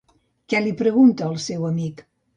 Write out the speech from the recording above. Què li pregunta el seu amic?